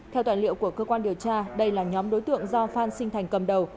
theo tài liệu của cơ quan điều tra đây là nhóm đối tượng do phan sinh thành cầm đầu